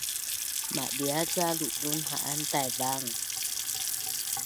Madia’ ca ludun ha’an Taivang